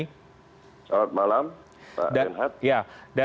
selamat malam pak denhat